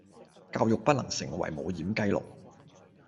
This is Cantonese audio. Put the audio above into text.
教育不能成為無掩雞籠